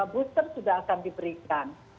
booster sudah akan diberikan